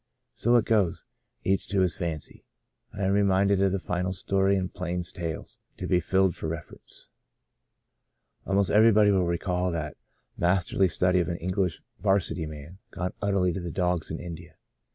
So it goes — each to his fancy. I am reminded of the final story in " Plain Tales— To Be Filed for Reference." Almost everybody will recall that masterly study of an English 'varsity man, gone ut terly to the dogs in India.